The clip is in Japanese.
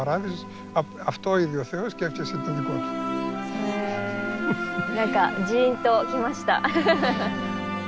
へえ何かジーンときました。